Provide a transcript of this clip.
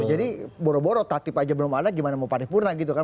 jadi boro boro katip aja belum ada gimana mau paripurna gitu kan